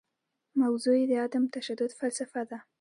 موضوع یې د عدم تشدد فلسفه ده.